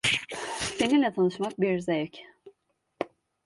Seninle tanışmak bir zevk.